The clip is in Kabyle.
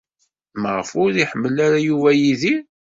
Maɣef ur iḥemmel ara Yuba Yidir?